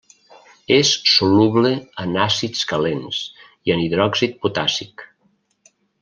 És soluble en àcids calents i en hidròxid potàssic.